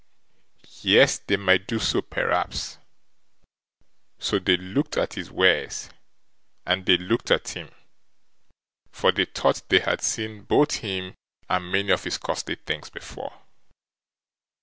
Yes, they might do so perhaps, so they looked at his wares and they looked at him, for they thought they had seen both him and many of his costly things before.